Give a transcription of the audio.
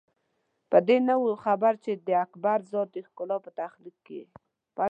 په دې نه وو خبر چې د اکبر ذات د ښکلا په تخلیق کې.